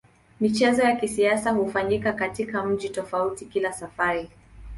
Michezo ya kisasa hufanyika katika mji tofauti kila safari.